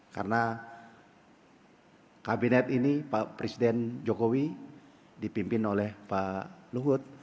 karena kabinet ini pak presiden jokowi dipimpin oleh pak luhut